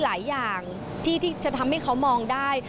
หลายอย่างที่จะทำให้เขามองได้